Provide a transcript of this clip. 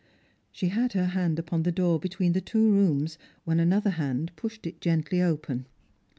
She had her hand upon the door between the two rooms, when another hand pushed it gently open.